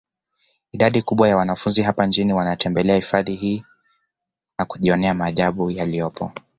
Idadi kubwa ya wanafunzi hapa nchini wanatembelea hifadhi hii na kujionea maajabu yaliyopo